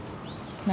何？